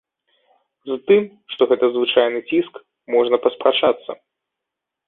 З тым, што гэта звычайны ціск, можна паспрачацца.